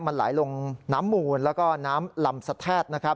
มันไหลลงน้ำหมูนแล้วก็น้ำลำสะแทด